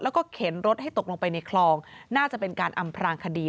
แล้วก็เข็นรถให้ตกลงไปในคลองน่าจะเป็นการอำพลางคดี